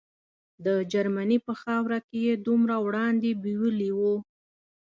د جرمني په خاوره کې یې دومره وړاندې بیولي وو.